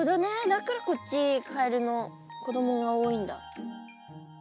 だからこっちカエルの子供が多いんだ。